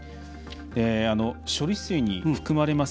処理水に含まれます